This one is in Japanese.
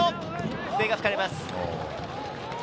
笛が吹かれます。